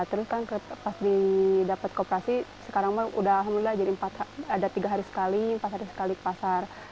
terus kan pas didapat kooperasi sekarang sudah alhamdulillah ada tiga hari sekali empat hari sekali ke pasar